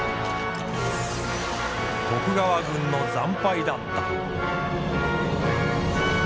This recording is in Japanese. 徳川軍の惨敗だった。